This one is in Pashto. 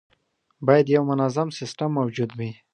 باید یو منظم سیستم موجود وي.